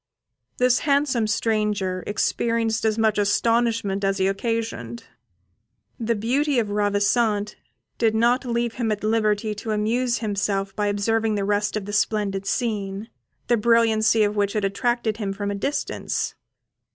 This handsome stranger experienced as much astonishment as he occasioned. The beauty of Ravissante did not leave him at liberty to amuse himself by observing the rest of the splendid scene, the brilliancy of which had attracted him from a distance.